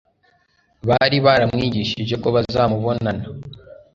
bari baramwigishije ko bazamubonana,